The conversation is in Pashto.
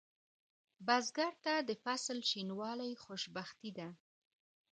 بزګر ته د فصل شینوالی خوشبختي ده